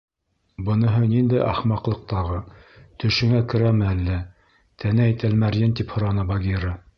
— Быныһы ниндәй ахмаҡлыҡ тағы, төшөңә керәме әллә, Тәнәй Тәлмәрйен? — тип һораны Багира.